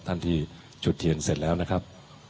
ท่านที่จุดเทียนเสร็จแล้วนะครับ